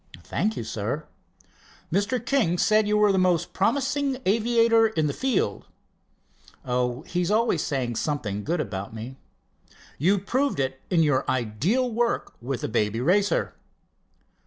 "Thank you, sir." "Mr. King said you were the most promising aviator in the field." "Oh, he is always saying something good about me." "You proved it in your ideal work with the Baby Racer."